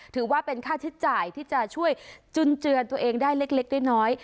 ถือว่าเป็นค่าใช้จ่ายที่จะช่วยจุนเจือนตัวเองได้เล็กน้อย